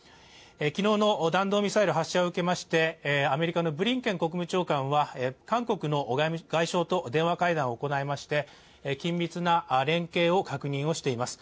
昨日の弾道ミサイル発射を受けましてアメリカのブリンケン国務長官は、韓国の外相と電話会談を行いまして、緊密な連携を確認しています。